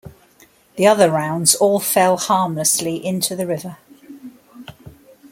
The other rounds all fell harmlessly into the river.